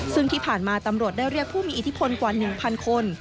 ซึ่งที่ผ่านมาตำรวจได้เรียกผู้มีอิทธิพลกว่า๑๐๐คน